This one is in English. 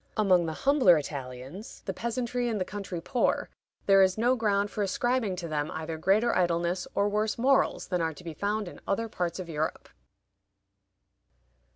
Among the humbler Italians, the peasantry and the country poor, there is no ground for ascribing to them either greater idleness or worse morals than are to be found in other parts of Europe.